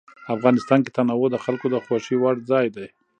افغانستان کې تنوع د خلکو د خوښې وړ ځای دی.